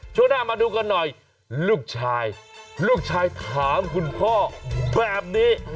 ช่วงหน้ามาดูกันหน่อยลูกชายลูกชายถามคุณพ่อแบบนี้